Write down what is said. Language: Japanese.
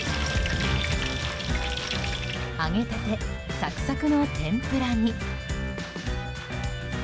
揚げたてサクサクの天ぷらに。